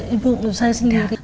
ibu saya sendiri